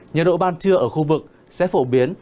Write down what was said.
nhiệt độ ban trưa ở khu vực sẽ phổ biến